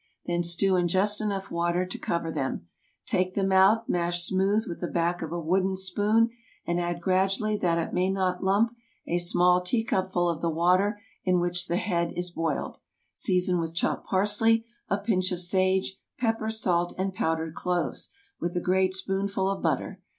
Then stew in just enough water to cover them. Take them out, mash smooth with the back of a wooden spoon, and add gradually, that it may not lump, a small teacupful of the water in which the head is boiled. Season with chopped parsley, a pinch of sage, pepper, salt, and powdered cloves, with a great spoonful of butter.